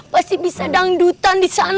pasti bisa dangdutan di sana